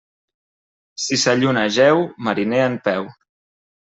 Si sa lluna jeu, mariner en peu.